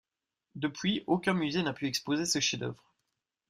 Depuis aucun musée n'a pu exposer ce chef-d'œuvre.